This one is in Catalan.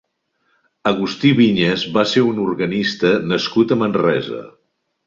Agustí Vinyes va ser un organista nascut a Manresa.